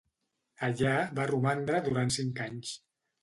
Allà va romandre durant cinc anys.